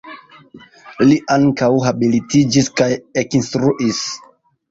Li ankaŭ habilitiĝis kaj ekinstruis.